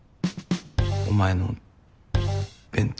お前の弁当。